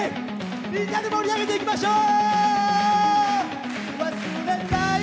みんなで盛り上げていきましょう。